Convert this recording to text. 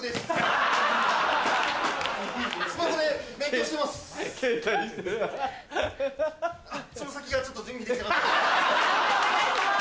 判定お願いします。